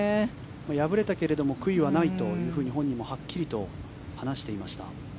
敗れたけれども悔いはないと本人もはっきり話していました。